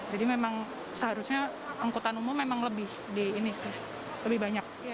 memang seharusnya angkutan umum memang lebih di ini sih lebih banyak